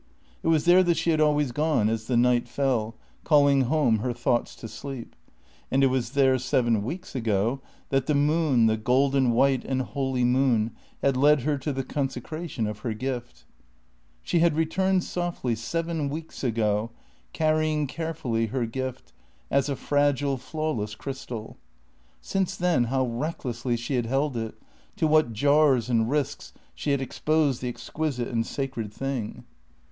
It was there that she had always gone as the night fell, calling home her thoughts to sleep; and it was there, seven weeks ago, that the moon, the golden white and holy moon, had led her to the consecration of her gift. She had returned softly, seven weeks ago, carrying carefully her gift, as a fragile, flawless crystal. Since then how recklessly she had held it! To what jars and risks she had exposed the exquisite and sacred thing!